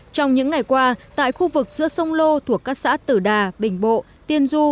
trong những ngày qua tại khu vực giữa sông lô thuộc các xã tử đà bình bộ tiên du